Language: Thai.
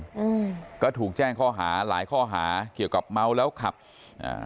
อืมก็ถูกแจ้งข้อหาหลายข้อหาเกี่ยวกับเมาแล้วขับอ่า